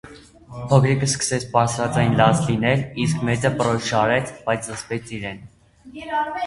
Փոքրիկն սկսեց բարձրաձայն լաց լինել, իսկ մեծը պռոշ արեց, բայց զսպեց իրեն: